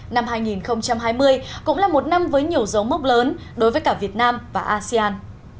năm hai nghìn hai mươi cũng là một năm với nhiều dấu mốc lớn đối với cả việt nam và asean